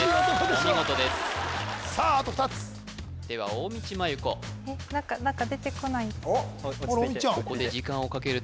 お見事ですさああと２つでは大道麻優子えっ何かあら大道ちゃん